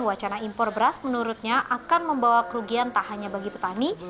wacana impor beras menurutnya akan membawa kerugian tak hanya bagi petani